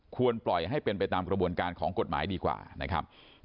ควรปล่อยให้เป็นไปตามกระบวนการของกฎหมายดีกว่านะครับ